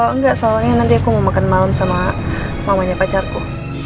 enggak soalnya nanti aku mau makan malam sama mamanya pacarku